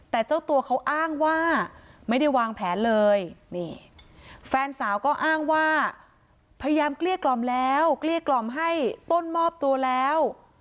แต่เจ้าตัวเขาอ้างว่าไม่ได้วางแผนเลยนี่แฟนสาวก็อ้างว่าพยายามเกลี้ยกล่อมแล้วเกลี้ยกล่อมให้ต้นมอบตัวแล้ว